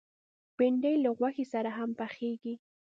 بېنډۍ له غوښې سره هم پخېږي